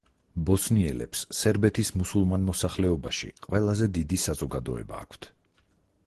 ბოსნიელებს სერბეთის მუსულმან მოსახლეობაში ყველაზე დიდი საზოგადოება აქვთ.